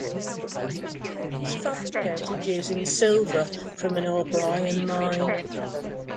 The Cup was fabricated using silver from an O'Brien mine.